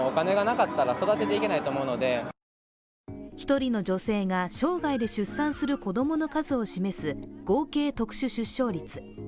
１人の女性が生涯で出産する子供の数を示す合計特殊出生率。